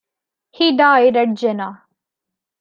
He died at Jena.